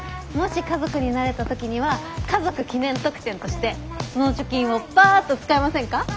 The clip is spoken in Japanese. もし家族になれた時には家族記念特典としてその貯金をパァッと使いませんか？